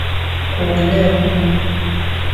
kuogelea humu